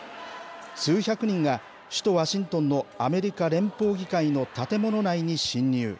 数百人が首都ワシントンのアメリカ連邦議会の建物内に侵入。